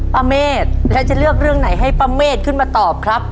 เมฆแล้วจะเลือกเรื่องไหนให้ป้าเมฆขึ้นมาตอบครับ